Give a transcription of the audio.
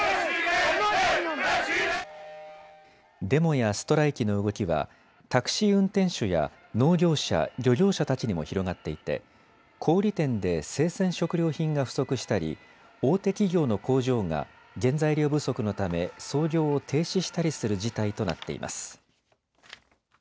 デモやストライキの動きはタクシー運転手や農業者漁業者たちにも広がっていて、小売店で生鮮食料品が不足したり大手企業の工場が原材料不足のため操業を停止したりする事態となっています。